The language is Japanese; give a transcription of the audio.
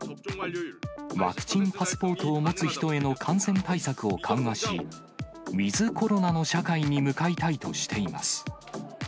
ワクチンパスポートを持つ人への感染対策を緩和し、ウィズコロナの社会に向かいたいとしています。